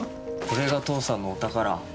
これが父さんのお宝。